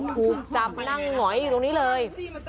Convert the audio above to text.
ถูกจับนั่งหงอยอยู่ตรงนี้เลย